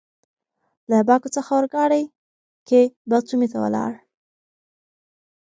له باکو څخه اورګاډي کې باتومي ته ولاړ.